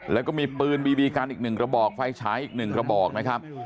แล้วก็มีปืนบีบีกันอีก๑กระบอกไฟฉายอีก๑กระบอกนะครับ